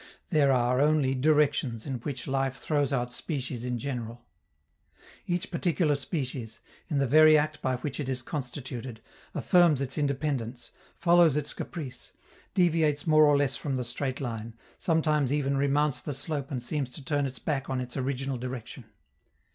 There are only directions in which life throws out species in general. Each particular species, in the very act by which it is constituted, affirms its independence, follows its caprice, deviates more or less from the straight line, sometimes even remounts the slope and seems to turn its back on its original direction.